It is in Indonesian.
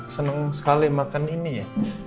senang sekali makan ini ya